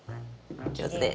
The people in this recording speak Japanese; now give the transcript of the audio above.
上手です。